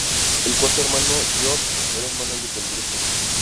El cuarto hermano, George, era el mánager del grupo.